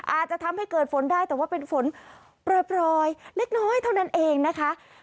อาจจะทำให้เกิดฝนได้แต่ว่าเป็นฝนปล่อยเล็กน้อยเท่านั้นเองนะคะ